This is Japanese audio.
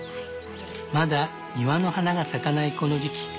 まだ庭の花が咲かないこの時期。